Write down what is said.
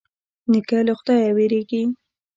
نیکه له خدايه وېرېږي.